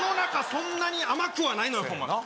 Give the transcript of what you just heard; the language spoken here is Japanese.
そんなに甘くはないのよせやな